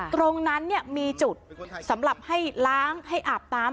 ตรงนั้นมีจุดสำหรับให้ล้างให้อาบน้ำ